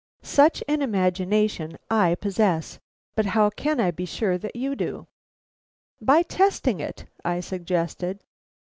Such an imagination I possess, but how can I be sure that you do?" "By testing it," I suggested.